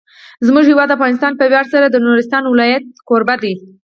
زموږ هیواد افغانستان په ویاړ سره د نورستان ولایت کوربه دی.